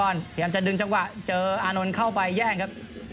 พยายามจะดึงจังหวะเจออานนท์เข้าไปแย่งครับ